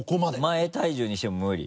前体重にしても無理？